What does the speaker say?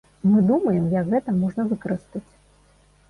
Мы думаем, як гэта можна выкарыстаць.